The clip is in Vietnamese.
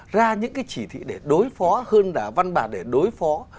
ra những cái chỉ thị để đối phó hơn là văn bản để đối phó